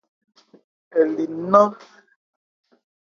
Ɛ li nnán.